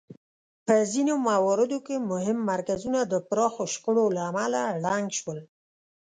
په ځینو مواردو کې مهم مرکزونه د پراخو شخړو له امله ړنګ شول